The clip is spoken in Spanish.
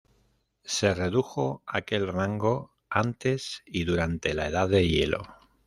Se redujo aquel rango antes y durante la edad de hielo.